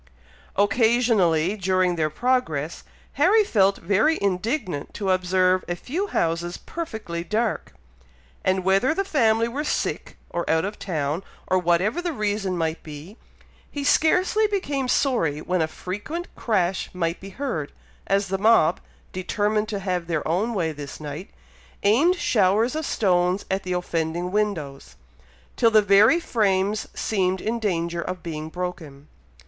Occasionally, during their progress, Harry felt very indignant to observe a few houses perfectly dark; and whether the family were sick, or out of town, or whatever the reason might be, he scarcely became sorry when a frequent crash might be heard, as the mob, determined to have their own way this night, aimed showers of stones at the offending windows, till the very frames seemed in danger of being broken.